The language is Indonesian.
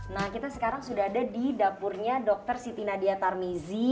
nah kita sekarang sudah ada di dapurnya dr siti nadia tarmizi